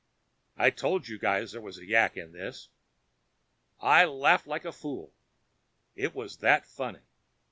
I told you guys there was a yak in this. I laughed like a fool it was that funny.